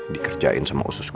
dikerjain sama usus goreng